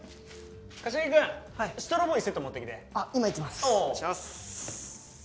柏木君ストロボ１セット持ってきて今行きますお願いします